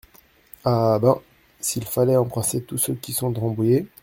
Ah ! ben ! s’il fallait embrasser tous ceux qui sont de Rambouillet !…